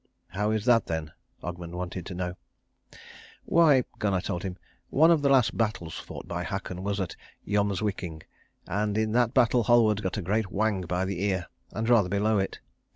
"How is that then?" Ogmund wanted to know. "Why," Gunnar told him, "one of the last battles fought by Haakon was at Yomswicking; and in that battle Halward got a great whang by the ear, and rather below it.